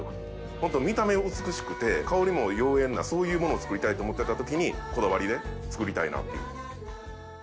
ホント見た目美しくて香りも妖艶なそういうものを作りたいと思ってた時にこだわりで作りたいなっていう。